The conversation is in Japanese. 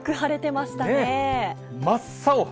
真っ青。